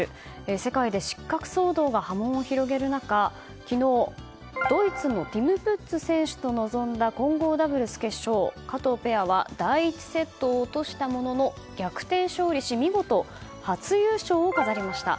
世界で失格騒動が波紋を広げる中、昨日、ドイツのティム・プッツ選手と臨んだ混合ダブルス決勝、加藤ペアは第１セットを落としたものの逆転勝利し見事初優勝を飾りました